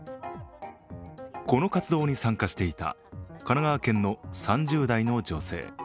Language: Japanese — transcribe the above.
この活動に参加していた神奈川県の３０代の女性。